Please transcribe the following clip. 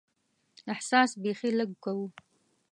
احساس بیخي لږ کوو.